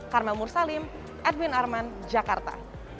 karmel mursalim edwin arman jakarta